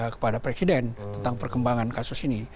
kepada presiden tentang perkembangan kasus ini